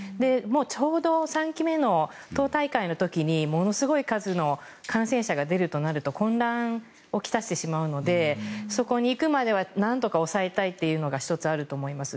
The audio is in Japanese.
ちょうど３期目の党大会の時にものすごい数の感染者が出るとなると混乱を来してしまうのでそこにいくまではなんとか抑えたいというのが１つあると思います。